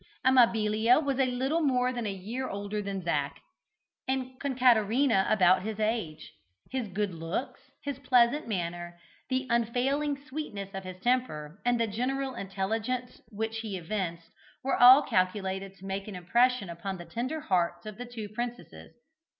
Amabilia was little more than a year older than Zac, and Concaterina about his age. His good looks, his pleasant manner, the unfailing sweetness of his temper, and the general intelligence which he evinced, were all calculated to make an impression upon the tender hearts of the two princesses.